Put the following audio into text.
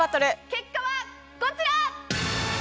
結果は、こちら。